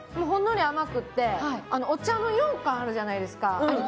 ほんのり甘くって、お茶のようかんあるじゃないですか。